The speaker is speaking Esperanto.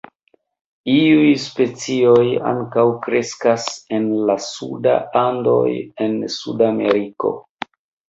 Iuj specioj ankaŭ kreskas en la suda Andoj en Sudameriko.